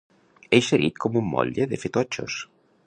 Eixerit com un motlle de fer totxos.